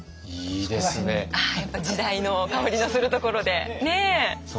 やっぱ時代の薫りのするところで。